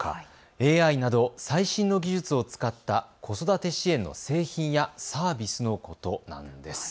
ＡＩなど最新の技術を使った子育て支援の製品やサービスのことなんです。